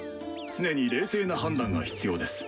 常に冷静な判断が必要です。